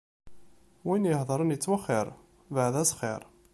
Win ihedṛen ittwexxiṛ, bɛed-as axiṛ!